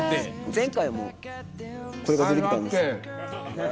前回もこれが出てきたんです。